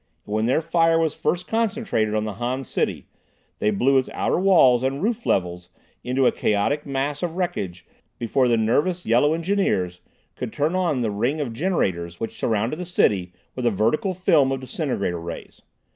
And when their fire was first concentrated on the Han city, they blew its outer walls and roof levels into a chaotic mass of wreckage before the nervous Yellow engineers could turn on the ring of generators which surrounded the city with a vertical film of disintegrator rays.